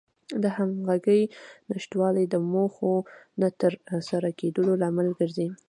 د همغږۍ نشتوالی د موخو نه تر سره کېدلو لامل ګرځي.